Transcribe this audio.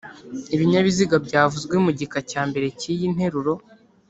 ibinyabiziga byavuzwe mu gika cya mbere cy'iyi nteruro.